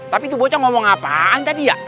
tapi itu bocah ngomong apaan tadi ya